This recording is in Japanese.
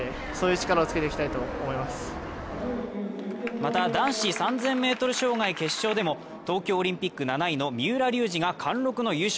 また男子３０００ｍ障害決勝でも、東京オリンピック７位の三浦龍司が貫禄の優勝。